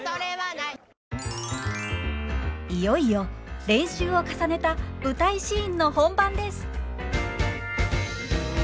いよいよ練習を重ねた舞台シーンの本番です！